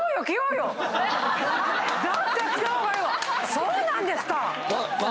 そうなんですか！